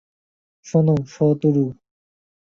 শোনো, সাতোরু।